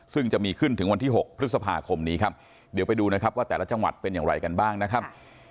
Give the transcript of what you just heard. ซึ่งจะมีขึ้นถึงวันที่๖พฤษภาคมนี้ครับเดี๋ยวไปดูนะครับว่าแต่ละจังหวัดเป็นอย่างไรกันบ้างนะครับ